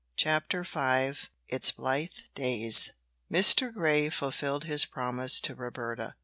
CHAPTER FIVE ITS BLITHE DAYS Mr. Grey fulfilled his promise to Roberta.